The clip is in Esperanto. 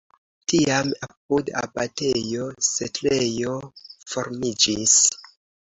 Tiam apud abatejo setlejo formiĝis.